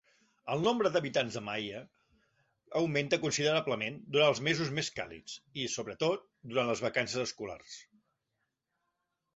El nombre d'habitants de Mahia augmenta considerablement durant els mesos més càlids i, sobretot, durant les vacances escolars.